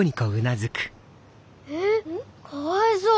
ええっかわいそう。